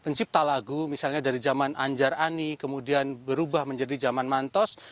dan pencipta lagu misalnya dari zaman anjar ani kemudian berubah menjadi zaman mantos